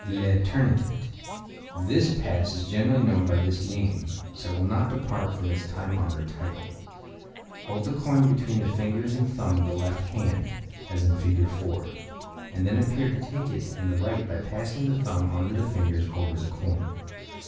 Le Tourniquet.—This pass is generally known by this name, so I will not depart from its time honored title. Hold the coin between the fingers and thumb of the left hand (as in Fig. 4), and then appear to take it in the right by passing the thumb under and the fingers over the coin.